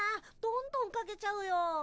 どんどんかけちゃうよ。